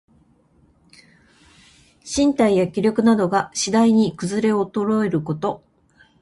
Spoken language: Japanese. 身体や気力などが、しだいにくずれおとろえること。